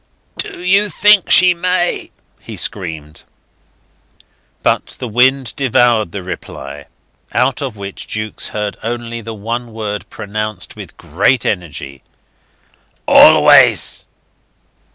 "Do you think she may?" he screamed. But the wind devoured the reply, out of which Jukes heard only the one word, pronounced with great energy ".... Always.